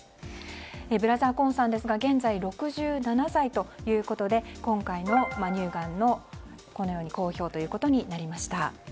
ブラザー・コーンさんですが現在、６７歳ということで今回の乳がんの公表となりました。